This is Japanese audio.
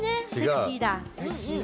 セクシーだ。